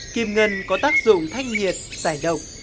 kim ngân có tác dụng thanh nhiệt giải độc